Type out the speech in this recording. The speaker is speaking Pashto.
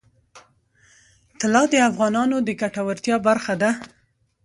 طلا د افغانانو د ګټورتیا برخه ده.